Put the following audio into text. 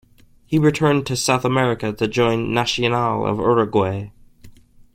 He returned to South America to join Nacional of Uruguay.